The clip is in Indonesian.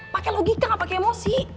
pake logika gak pake emosi